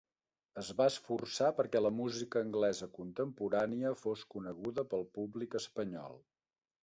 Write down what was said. Es va esforçar perquè la música anglesa contemporània fos coneguda pel públic espanyol.